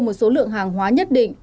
một số lượng hàng hóa nhất định